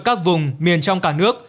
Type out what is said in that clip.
các vùng miền trong cả nước